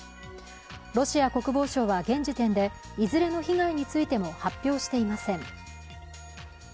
ロシア国防省は現時点でいずれの被害についても発表していません。